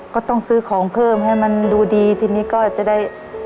ก็ต้องซื้อของเพิ่มให้มันดูดีทีนี้ก็จะได้